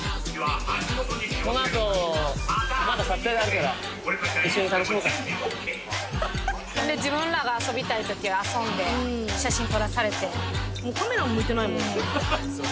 このあとまだ撮影があるから一緒に楽しもうか自分らが遊びたい時は遊んで写真撮らされてもうカメラも向いてないもん